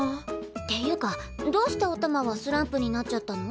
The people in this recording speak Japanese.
っていうかどうしておたまはスランプになっちゃったの？